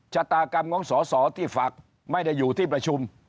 ชะตากรรมของสอสอที่ฝากไม่ได้อยู่ที่ประชุม